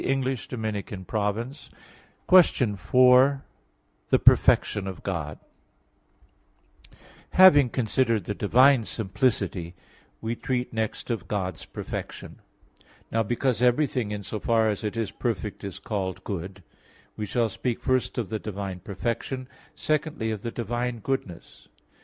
_______________________ QUESTION 4 THE PERFECTION OF GOD (In Three Articles) Having considered the divine simplicity, we treat next of God's perfection. Now because everything in so far as it is perfect is called good, we shall speak first of the divine perfection; secondly of the divine goodness.